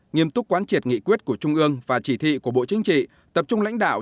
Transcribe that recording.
nghiêm túc quán triệt nghị quyết của trung ương và chỉ thị của bộ chính trị tập trung lãnh đạo